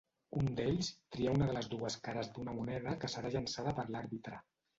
Un d'ells tria una de les dues cares d'una moneda que serà llançada per l'àrbitre.